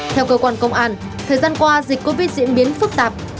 theo cơ quan công an thời gian qua dịch covid diễn biến phức tạp